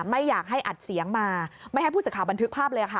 ไม่อยากให้อัดเสียงมาไม่ให้ผู้สื่อข่าวบันทึกภาพเลยค่ะ